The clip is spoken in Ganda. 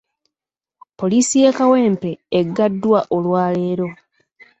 Poliisi y'e Kawempe eggaddwa olwaleero.